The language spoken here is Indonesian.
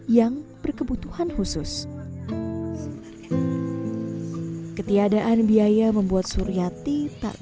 yang berkebutuhan khusus ketiadaan biaya membuat suryati tak bisa diberi kekeluhannya